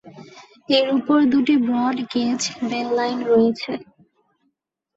এর উপর দুটি ব্রড-গেজ রেললাইন রয়েছে।